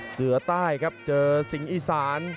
เสือใต้ครับเจอสิงห์อีสาน